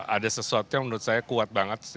ada sesuatu yang menurut saya kuat banget